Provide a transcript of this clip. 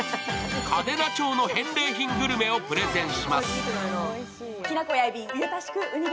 嘉手納町の返礼品グルメをプレゼンします。